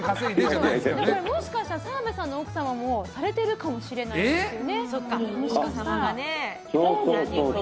もしかしたら澤部さんの奥様もされてるかもしれないですね。